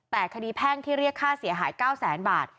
แต่คดีแพ่งที่เรียกค่าเสียหาย๙แสนบาท